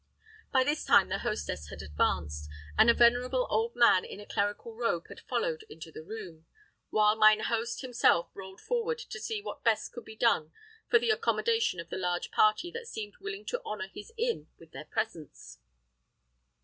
By this time the hostess had advanced, and a venerable old man in a clerical robe had followed into the room, while mine host himself rolled forward to see what best could be done for the accommodation of the large party that seemed willing to honour his inn with their presence.